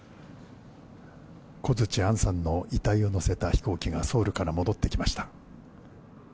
小槌杏さんの遺体を乗せた飛行機がソウルから戻ってきました。